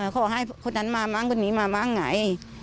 ขอให้คนนั้นมามั้งคนนี้มาบ้างไง